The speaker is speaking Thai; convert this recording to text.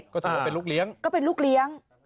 ก็จะเป็นลูกเลี้ยง